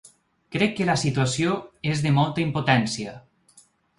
Crec que la situació és de molta impotència.